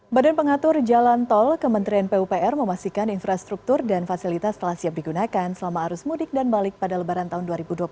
badan pengatur jalan tol kementerian pupr memastikan infrastruktur dan fasilitas telah siap digunakan selama arus mudik dan balik pada lebaran tahun dua ribu dua puluh satu